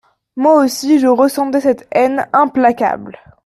Moi aussi, je ressentais cette haine implacable.